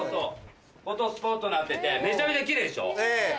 フォトスポットになっててめちゃめちゃキレイでしょ？